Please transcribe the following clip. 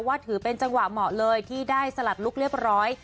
ถือเป็นจังหวะเหมาะเลยที่ได้สลัดลุคเรียบร้อย